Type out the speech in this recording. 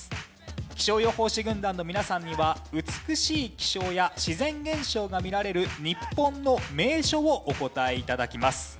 気象予報士軍団の皆さんには美しい気象や自然現象が見られる日本の名所をお答え頂きます。